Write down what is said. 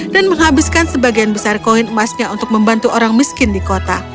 menghabiskan sebagian besar koin emasnya untuk membantu orang miskin di kota